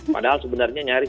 padahal sebenarnya nyaris